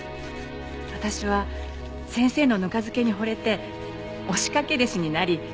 私は先生のぬか漬けに惚れて押しかけ弟子になり